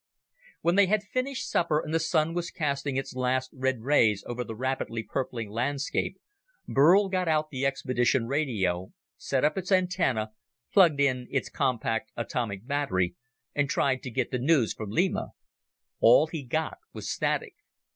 When they had finished supper and the Sun was casting its last red rays over the rapidly purpling landscape, Burl got out the expedition radio, set up its antenna, plugged in its compact atomic battery, and tried to get the news from Lima. All he got was static.